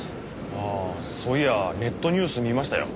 ああそういやネットニュース見ましたよ。